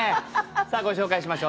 さあご紹介しましょう。